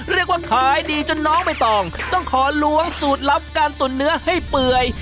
เรียกว่าขายดีจนน้องใบตองต้องขอล้วงสูตรลับการตุ๋นเนื้อให้เปื่อย